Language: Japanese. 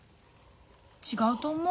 違うと思う。